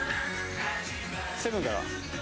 セブンから。